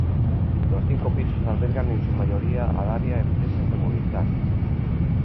Los cinco pisos albergan en su mayoría al área empresas de Movistar.